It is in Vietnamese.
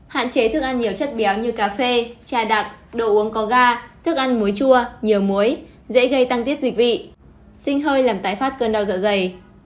hạn chế thức ăn nhiều chất béo như cà phê trà đặc đồ uống có ga thức ăn muối chua nhiều muối dễ gây tăng tiết dịch vị sinh hơi làm tái phát cơn đau dạ dày